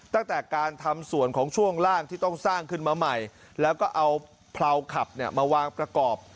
ตั้งแต่การทำส่วนของช่วงล่างที่ต้องสร้างขึ้นมาใหม่แล้วก็เอาเพราขับมาวางประกอบ